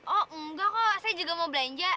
oh enggak kok saya juga mau belanja